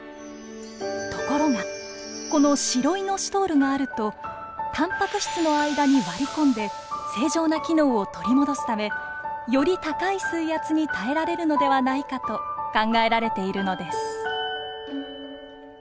ところがこのシロイノシトールがあるとたんぱく質の間に割り込んで正常な機能を取り戻すためより高い水圧に耐えられるのではないかと考えられているのです。